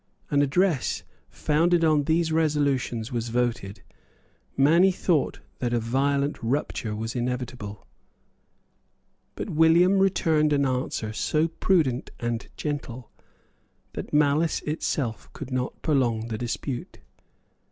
An address founded on these resolutions was voted; many thought that a violent rupture was inevitable. But William returned an answer so prudent and gentle that malice itself could not prolong the dispute.